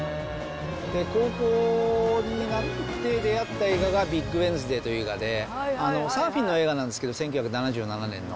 高校になって出会った映画がビッグ・ウェンズデーという映画で、サーフィンの映画なんですけど、１９７７年の。